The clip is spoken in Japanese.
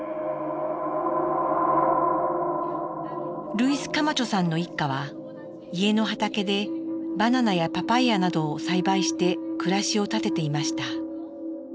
ルイス・カマチョさんの一家は家の畑でバナナやパパイアなどを栽培して暮らしを立てていました。